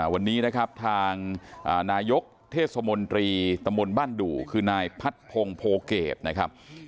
วันนี้นะครับทางนายกเทศมนตรีตำบลบ้านดู่คือนายพัดพงศ์โพเกตนะครับ